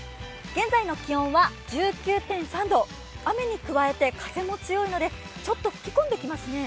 現在の気温は１９．３度雨に加えて風も強いのでちょっと吹き込んできますね。